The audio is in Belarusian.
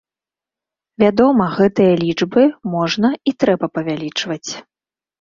Вядома, гэтыя лічбы можна і трэба павялічваць.